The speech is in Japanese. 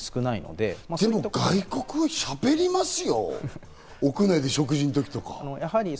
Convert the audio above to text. でも外国はしゃべりますよ、屋内で食事の時とか。